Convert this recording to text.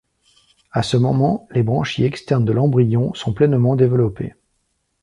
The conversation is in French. À ce moment, les branchies externes de l'embryon sont pleinement développées.